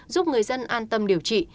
giúp người dân an tâm điều trị